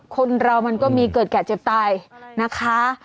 คนเรามันก็มีเกิดแก่เจ็บตายนะคะ